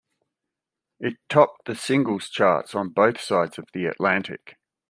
It topped the singles charts on both sides of the Atlantic.